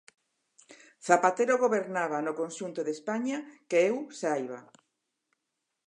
Zapatero gobernaba no conxunto de España, que eu saiba.